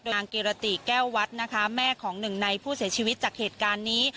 นางกิรติแก้ววัดนะคะแม่ของหนึ่งในผู้เสียชีวิตจากเหตุการณ์นี้